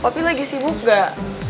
papi lagi sibuk gak